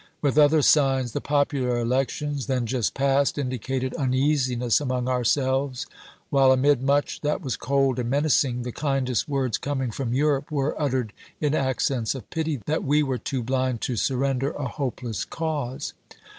With other signs, the popular elections, then just past, indicated uneasiness among ourselves ; while, amid much that was cold and menacing, the kindest words coming from Europe were uttered in accents of pity that we were too blind to sur render a hopeless cause.